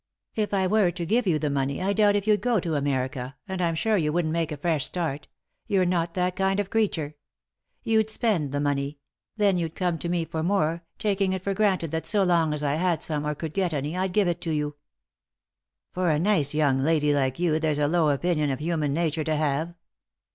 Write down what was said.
" If I were to give you the money I doubt if you'd go to America, and I'm sure you wouldn't make a fresh start ; you're not that kind of creature. You'd spend the money ; then you'd come to me for more, taking it for granted that so long as I had some, or could get any, I'd give it you." "For a nice young lady like you, there's a low opinion of human nature to have.